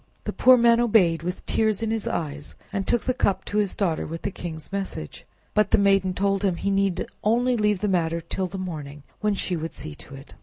The poor man obeyed with tears in his eyes, and took the cup to his daughter with the king's message. But the maiden told him he need only leave the matter till the morning, when she would see to it.